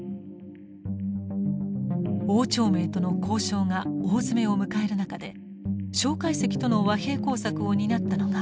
汪兆銘との交渉が大詰めを迎える中で介石との和平工作を担ったのが外務省の田尻愛義。